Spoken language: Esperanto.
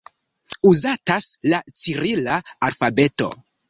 Uzatas la cirila alfabeto.